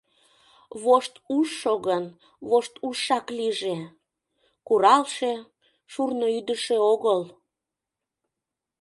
Воштужшо гын, воштужшак лийже; куралше, шурно ӱдышӧ огыл.